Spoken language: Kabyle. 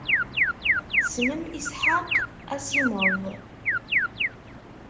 Tessnem Isaac Asimov?